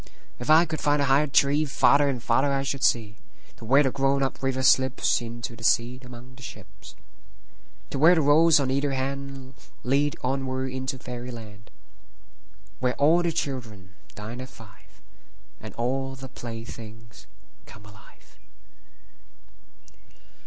If I could find a higher treeFarther and farther I should see, To where the grown up river slipsInto the sea among the ships. To where the roads on either handLead onward into fairy land, Where all the children dine at five, And all the playthings come alive.